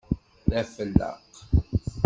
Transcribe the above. D afellaq!